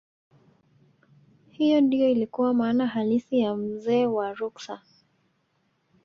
hiyo ndiyo ilikuwa maana halisi ya mzee wa ruksa